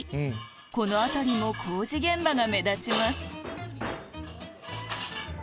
この辺りも工事現場が目立ちます